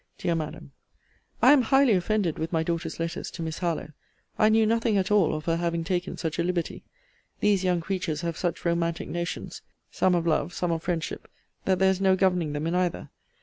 DEAR MADAM, I am highly offended with my daughter's letters to Miss Harlowe. I knew nothing at all of her having taken such a liberty. These young creatures have such romantic notions, some of life, some of friendship, that there is no governing them in either.